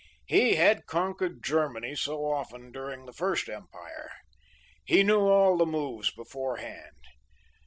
He had conquered Germany so often during the First Empire. He knew all the moves beforehand.